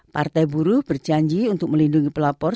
partai buruh berjanji untuk melindungi pelapor